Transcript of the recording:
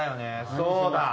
そうだ。